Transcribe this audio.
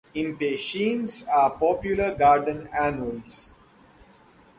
Impatiens are popular garden annuals.